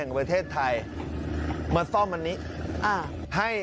ประเทศไทยมาซ่อมอันนี้ให้